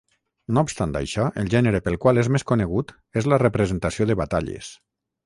No obstant això el gènere pel qual és més conegut és la representació de batalles.